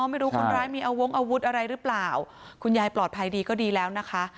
ไม่รู้คนร้ายมีเอาวงอาวุธอะไรหรือเปล่าคุณยายปลอดภัยดีก็ดีแล้วนะคะ